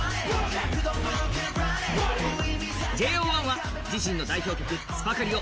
ＪＯ１は自身の代表曲、「ＳｕｐｅｒＣａｌｉ」を